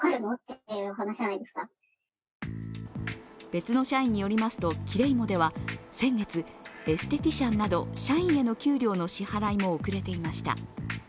別の社員によりますとキレイモでは先月エステティシャンなど社員への給料の支払いも遅れていました。